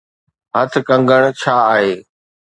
هٿ ڪنگڻ ڇا آهي؟